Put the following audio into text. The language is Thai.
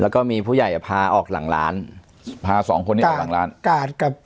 แล้วก็มีผู้ใหญ่อ่ะพาออกหลังร้านพาสองคนนี้ออกหลังร้านกาดกับ